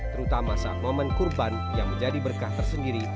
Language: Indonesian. terutama saat momen kurban yang menjadi berkah tersendiri